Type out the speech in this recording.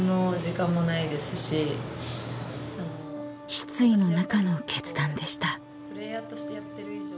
［失意の中の決断でした］